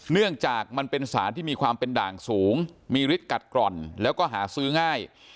เนื่องจากมันเป็นสารที่มีความเป็นด่างสูงมีฤทธิกัดกร่อนแล้วก็หาซื้อง่าย